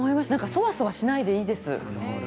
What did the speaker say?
そわそわしなくていいです。